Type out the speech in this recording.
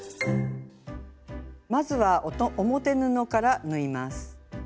まずは表布から縫います。